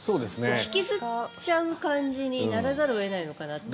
引きずっちゃう感じにならざるを得ないのかなと。